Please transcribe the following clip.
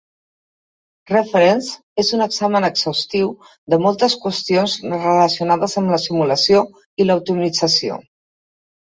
Reference és un examen exhaustiu de moltes qüestions relacionades amb la simulació i la optimizació.